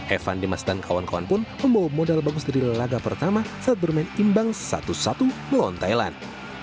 evan dimas dan kawan kawan pun membawa modal bagus dari laga pertama saat bermain imbang satu satu melawan thailand